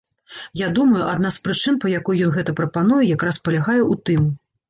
Я думаю, адна з прычын, па якой ён гэта прапануе якраз палягае ў тым.